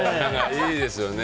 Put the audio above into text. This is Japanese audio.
いいですよね。